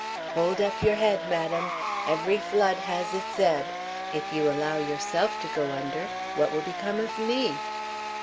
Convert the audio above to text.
"Hold up your head, madam. Every flood has its ebb. If you allow yourself to go under, what will become of me?"